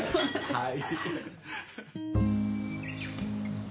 はい。